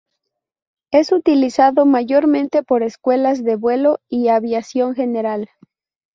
Es utilizado mayormente por escuelas de vuelo y aviación general.